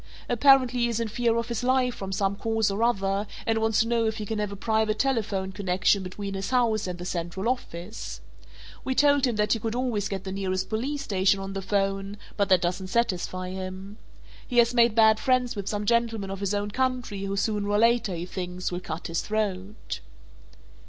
Apparently he is in fear of his life from some cause or other and wants to know if he can have a private telephone connection between his house and the central office. We told him that he could always get the nearest Police Station on the 'phone, but that doesn't satisfy him. He has made bad friends with some gentleman of his own country who sooner or later, he thinks, will cut his throat."